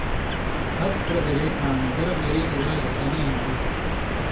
ہتہۡ کُھورہ دژَئیں آں گرم ژریں علاج ہسانی ہِن ہُوئ تھی